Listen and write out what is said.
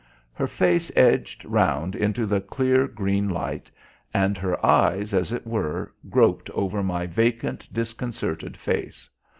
Her face edged round into the clear green light, and her eyes, as it were, groped over my vacant, disconcerted face.